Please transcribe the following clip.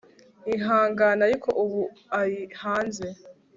Ihangane ariko ubu ari hanze